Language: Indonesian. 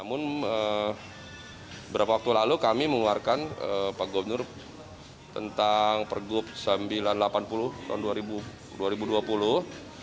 beberapa waktu lalu kami mengeluarkan pak gubernur tentang pergub sembilan ratus delapan puluh tahun dua ribu dua puluh